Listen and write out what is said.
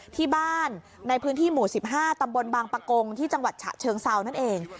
ที่บ้านในพื้นที่หมู่๑๕ตำบลบางปะกงที่จังหวัดฉะเชิงเซานั่นเอง